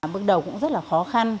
bước đầu cũng rất là khó khăn